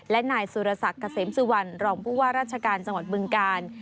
และนายสุรศักดิ์เกษมสุวรรณรองผู้ว่าราชการจังหวัดบึงกาล